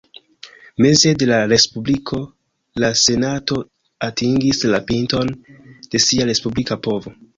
Meze de la Respubliko, la Senato atingis la pinton de sia respublika povo.